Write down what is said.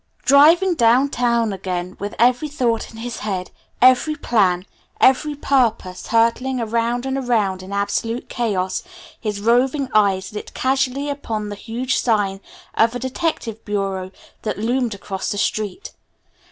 XI Driving downtown again with every thought in his head, every plan, every purpose, hurtling around and around in absolute chaos, his roving eyes lit casually upon the huge sign of a detective bureau that loomed across the street.